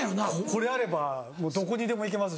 これあればどこにでも行けます。